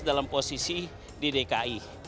dalam posisi di dki